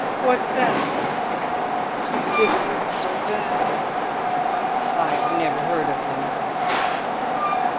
"What's that?" "Cigarettes d'Auvergne." "I never heard of them."